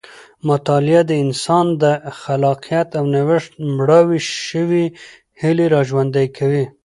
مطالعه د انسان د خلاقیت او نوښت مړاوې شوې هیلې راژوندۍ کوي.